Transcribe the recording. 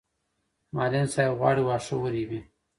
معلم صاحب غواړي واښه ورېبي.